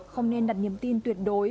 không nên đặt niềm tin tuyệt đối